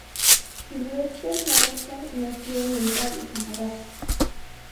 Sylvester Marston nació en Ontario, Canadá.